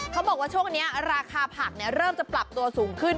เขาบอกว่าช่วงนี้ราคาผักเริ่มจะปรับตัวสูงขึ้น